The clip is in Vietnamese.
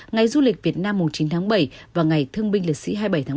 ngày du lịch việt nam mùa chín bảy và ngày thương binh lịch sĩ hai mươi bảy bảy